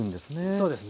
そうですね。